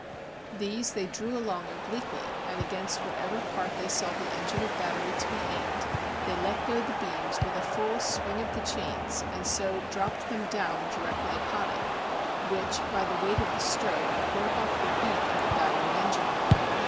These they drew along obliquely, and against whatever part they saw the engine of battery to be aimed, they let go the beams with a full swing of the chains, and so dropped them down directly upon it, which by the weight of the stroke broke off the beak of the battering engine.